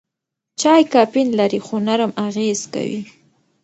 چای کافین لري خو نرم اغېز کوي.